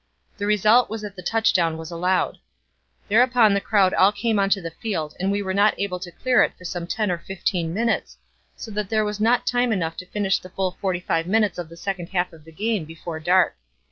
The result was that the touchdown was allowed. Thereupon the crowd all came onto the field and we were not able to clear it for some 10 or 15 minutes, so that there was not time enough to finish the full 45 minutes of the second half of the game before dark.